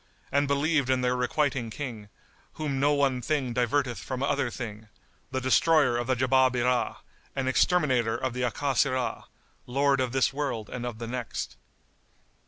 and believed in the Requiting King, whom no one thing diverteth from other thing, the Destroyer of the Jabábirah[FN#74] and Exterminator of the Akásirah, Lord of this world and of the next.